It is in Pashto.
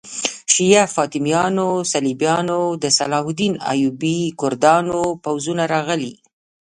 شیعه فاطمیانو، صلیبیانو، د صلاح الدین ایوبي کردانو پوځونه راغلي.